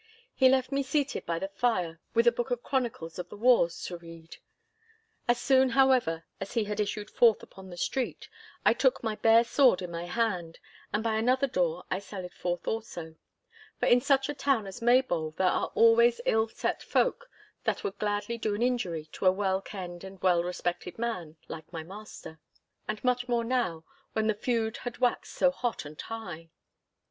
He left me seated by the fire with a book of chronicles of the wars to read. As soon, however, as he had issued forth upon the street, I took my bare sword in my hand, and by another door I sallied forth also. For in such a town as Maybole there are always ill set folk that would gladly do an injury to a well kenned and well respected man like my master. And much more now when the feud had waxed so hot and high.